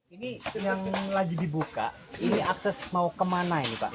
ini yang lagi dibuka ini akses mau kemana ini pak